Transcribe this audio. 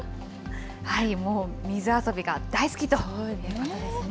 もう水遊びが大好きということですね。